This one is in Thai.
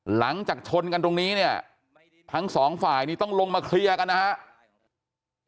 หลังจากชนกันตรงนี้เนี่ยทั้งสองฝ่ายนี่ต้องลงมาเคลียร์กันนะครับ